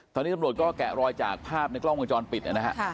ตอนนี้ตำรวจก็แกะรอยจากภาพในกล้องวงจรปิดนะฮะ